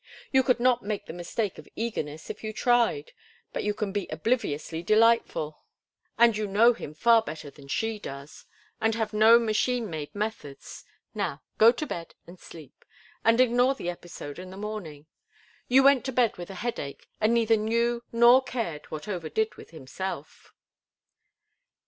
You could not make the mistake of eagerness if you tried, but you can be obliviously delightful—and you know him far better than she does, and have no machine made methods. Now go to bed and sleep, and ignore the episode in the morning. You went to bed with a headache and neither knew nor cared what Over did with himself."